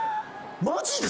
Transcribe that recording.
マジで？